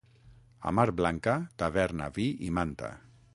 A mar blanca, taverna, vi i manta.